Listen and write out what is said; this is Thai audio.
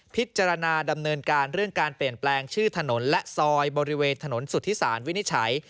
พิจารณาดำเนินการเรื่องการเปลี่ยนแปลงชื่อถนนและซอยบริเวณถนนสุธิศาลวินิจฉัย